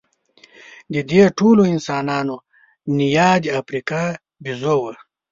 د دې ټولو انسانانو نیا د افریقا بیزو وه.